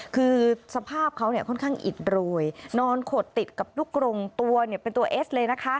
คือสภาพเขาค่อนข้างอิดโรยนอนขดติดกับลูกกรงตัวเป็นตัวเอสเลยนะคะ